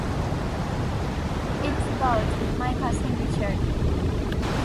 It's about — my cousin Richard!